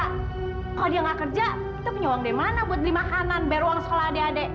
kalau dia nggak kerja kita punya uang dari mana buat beli makanan biar uang sekolah adik adik